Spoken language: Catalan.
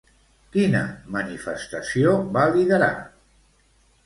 Quina manifestació va liderar?